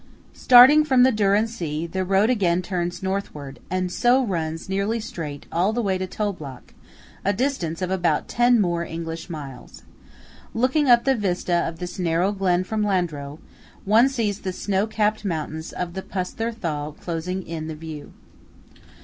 Starting from the Dürren See, the road again turns northward, and so runs nearly straight all the way to Toblach, a distance of about ten more English miles. Looking up the vista of this narrow glen from Landro, one sees the snow capped mountains of the Pusther Thal closing in the view.